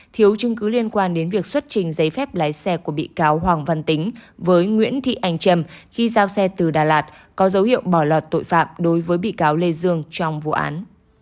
thiếu chứng cứ liên quan đến việc xuất trình giấy phép lái xe của bị cáo hoàng văn tính với nguyễn thị anh trầm khi giao xe từ đà lạt có dấu hiệu bỏ lọt tội phạm đối với bị cáo lê dương trong vụ án